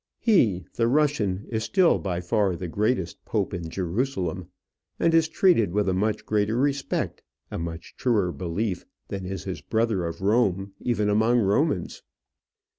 He, the Russian, is still by far the greatest pope in Jerusalem, and is treated with a much greater respect, a much truer belief, than is his brother of Rome, even among Romans.